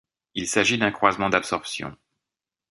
Il s'agit d'un croisement d'absorption.